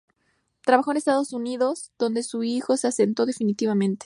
Trabajó en Estados Unidos, donde su hijo se asentó definitivamente.